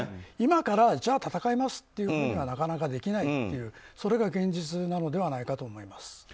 今からじゃあ戦いますというふうにはできないというそれが現実なのではないかと思います。